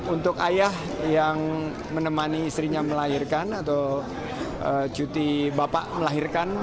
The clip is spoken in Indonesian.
untuk ayah yang menemani istrinya melahirkan atau cuti bapak melahirkan